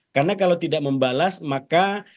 karena kalau tidak membalas maka